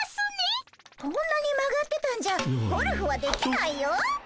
こんなに曲がってたんじゃゴルフはできないよ。